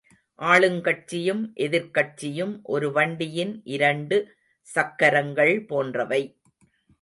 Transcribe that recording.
ஆளுங் கட்சியும், எதிர்க் கட்சியும் ஒரு வண்டியின் இரண்டு சக்கரங்கள் போன்றவை.